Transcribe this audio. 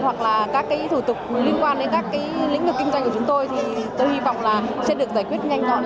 hoặc là các cái thủ tục liên quan đến các cái lĩnh vực kinh doanh của chúng tôi thì tôi hy vọng là sẽ được giải quyết nhanh gọn